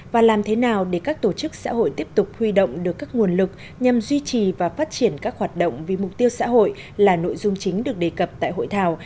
và làm thế nào để các tổ chức xã hội tiếp tục huy động được các nguồn lực nhằm duy trì và phát triển các hoạt động vì mục tiêu xã hội là nội dung chính được đề cập tại hội thảo